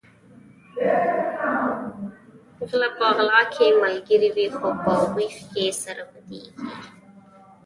غلۀ په غلا کې ملګري وي خو په وېش کې سره بدیږي